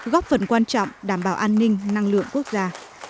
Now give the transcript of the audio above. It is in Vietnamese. góp phần quan trọng đảm bảo an ninh năng lượng quốc gia